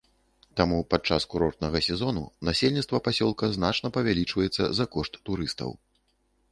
Таму падчас курортнага сезону насельніцтва пасёлка значна павялічваецца за кошт турыстаў.